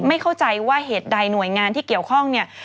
ไม่เข้าใจว่าเหตุใดหน่วยงานที่เกี่ยวข้องเนี่ย